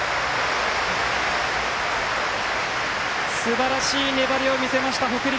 すばらしい粘りを見せました北陸。